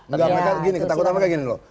mereka gini ketakutan mereka gini loh